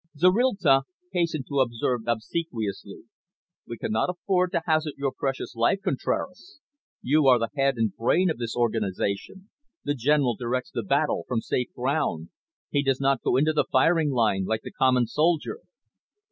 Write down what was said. Zorrilta hastened to observe obsequiously, "We cannot afford to hazard your precious life, Contraras. You are the head and brain of this organisation. The general directs the battle from safe ground. He does not go into the firing line like the common soldier."